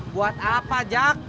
buat apa jak